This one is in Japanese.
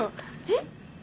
えっ？